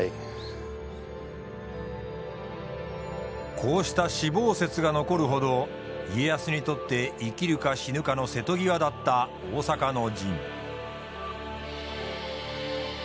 こうした死亡説が残るほど家康にとって生きるか死ぬかの瀬戸際だった大坂の陣。